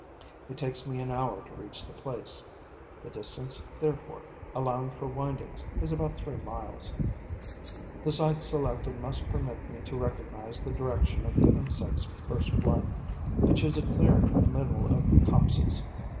It takes me an hour to reach the place. The distance, therefore, allowing for windings, is about three miles. The site selected must permit me to recognize the direction of the insects' first flight. I choose a clearing in the middle of the copses.